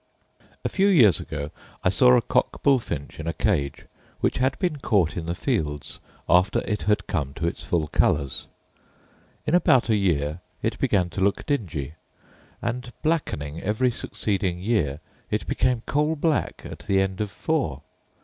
A few years ago I saw a cock bullfinch in a cage, which had been caught in the fields after it had come to its full colours. In about a year it began to look dingy; and, blackening every succeeding year, it became coal black at the end of four.